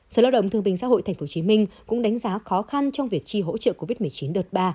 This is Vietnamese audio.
sở lao động thương bình xã hội tp hcm cũng đánh giá khó khăn trong việc chi hỗ trợ covid một mươi chín đợt ba